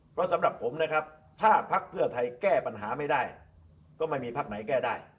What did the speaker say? เพราะสำหรับผมนะครับถ้าพักเพื่อไทยแก้ปัญหาไม่ได้ก็ไม่มีพักไหนแก้ได้